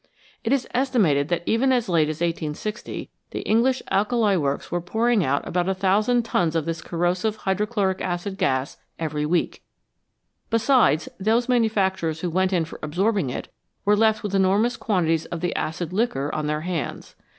It is estimated that even as late as 1860 the English alkali works were pouring out about a thousand tons of this corrosive hydrochloric acid gas every week. Besides, those manufacturers who went in for absorbing it were left with enormous quantities of the acid liquor on their hands.